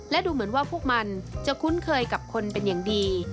และดูเหมือนว่าพวกมันจะคุ้นเคยกับคนเป็นอย่างดี